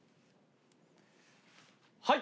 はい。